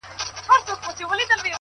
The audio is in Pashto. زه تل د محبت د عظمتونو ثناخوان یم